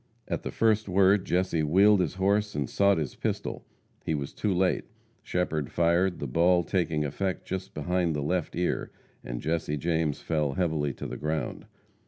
At the first word Jesse wheeled his horse and sought his pistol. He was too late. Shepherd fired, the ball taking effect just behind the left ear, and Jesse James fell heavily to the ground.